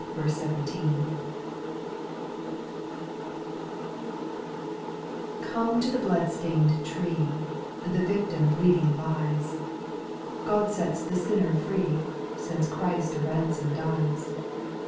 /^OME to the blood stained tree ; \J The victim bleeding lies ; God sets the sinner free. Since Christ a ransom dies.